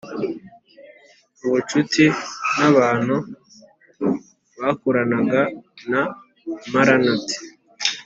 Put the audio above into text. ubucuti n'abantu bakoranaga na mrnd,